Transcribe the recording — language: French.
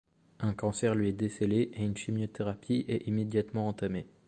Un cancer lui est décelé et une chimiothérapie est immédiatement entamée.